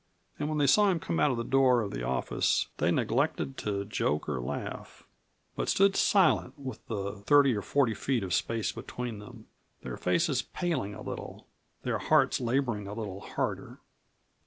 And when they saw him come out of the door of the office they neglected to joke or laugh, but stood silent, with the thirty or forty feet of space between them, their faces paling a little, their hearts laboring a little harder.